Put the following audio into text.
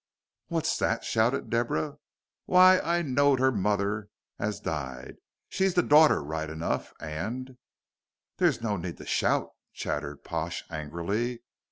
"What's that?" shouted Deborah. "Why, I knowed her mother as died. She's the daughter right enough, and " "There's no need to shout," chattered Pash, angrily.